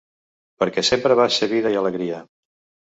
Perquè sempre vas ser vida i alegria.